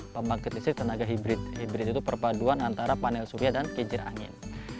pembangkit listrik tenaga hibrid hibrid itu perpaduan antara panel suhya dan kejirangin